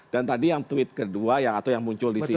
dan tadi yang tweet kedua atau yang muncul di sini